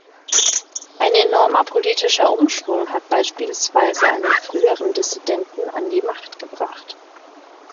Ein enormer politischer Umschwung hat beispielsweise einen früheren Dissidenten an die Macht gebracht.